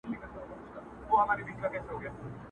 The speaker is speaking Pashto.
كوم شېرشاه توره ايستلې ځي سسرام ته!!